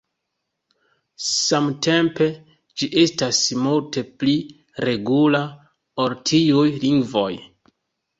Samtempe ĝi estas multe pli regula ol tiuj lingvoj.